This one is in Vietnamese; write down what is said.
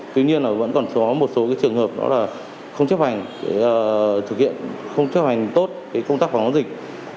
tuy nhiên vẫn còn có một số trường hợp không chấp hành tốt công tác phòng chống dịch